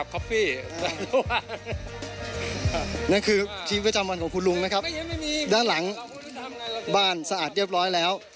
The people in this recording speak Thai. ข้างหลังบ้านสะอาดเรียบร้อยแล้ว